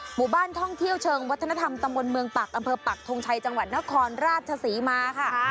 หมู่บ้านท่องเที่ยวเชิงวัฒนธรรมตำบลเมืองปักอำเภอปักทงชัยจังหวัดนครราชศรีมาค่ะ